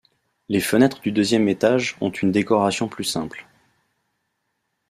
Les fenêtres du deuxième étage ont une décoration plus simple.